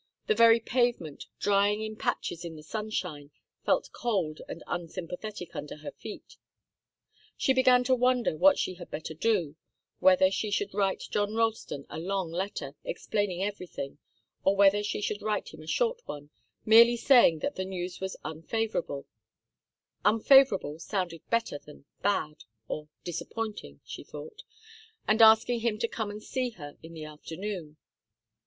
The very pavement, drying in patches in the sunshine, felt cold and unsympathetic under her feet. She began to wonder what she had better do, whether she should write John Ralston a long letter, explaining everything, or whether she should write him a short one, merely saying that the news was unfavourable 'unfavourable' sounded better than 'bad' or 'disappointing,' she thought and asking him to come and see her in the afternoon.